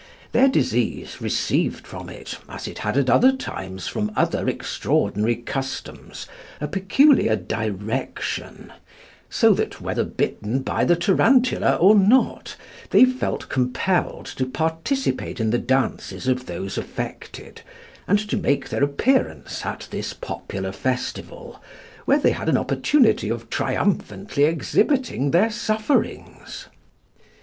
Their disease received from it, as it had at other times from other extraordinary customs, a peculiar direction; so that, whether bitten by the tarantula or not, they felt compelled to participate in the dances of those affected, and to make their appearance at this popular festival, where they had an opportunity of triumphantly exhibiting their sufferings.